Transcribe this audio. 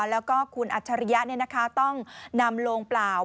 แล้วก็คุณอัจฉริยะต้องนำโลงเปล่า